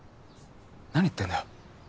何言ってんだよ。